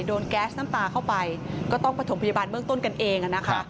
แก๊สน้ำตาเข้าไปก็ต้องประถมพยาบาลเบื้องต้นกันเองนะคะ